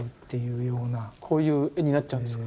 こういう絵になっちゃうんですか。